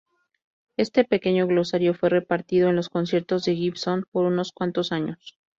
Este pequeño glosario fue repartido en los conciertos de Gibson por unos cuantos años.